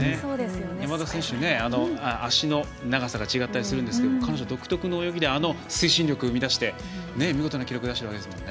山田選手は足の長さが違ったりしますが彼女、独特の泳ぎであの推進力を生み出して見事な記録を出しているわけですもんね。